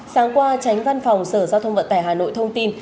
sáng qua tránh văn phòng sở giao thông vận tải hà nội thông tin